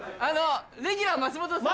レギュラー・松本さん。